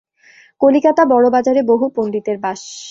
কলিকাতা বড়বাজারে বহু পণ্ডিতের বাস।